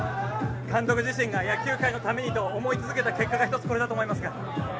監督自身が野球界のためにと思い続けた結果が１つこれだと思いますが。